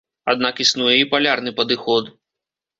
Аднак існуе і палярны падыход.